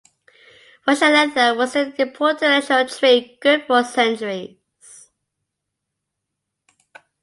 Russia leather was an important international trade good for centuries.